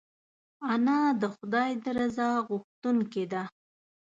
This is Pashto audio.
انا د خدای د رضا غوښتونکې ده